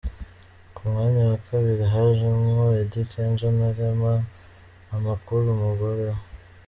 Ku mwanya wa kabiri hajeho Eddy Kenzo na Rema Namakula umugore we.